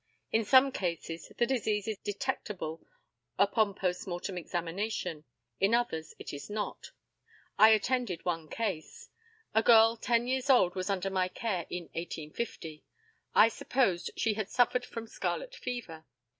In some cases the disease is detectable upon post mortem examination; in others it is not. I attended one case. A girl ten years old was under my care in 1850. I supposed she had suffered from scarlet fever.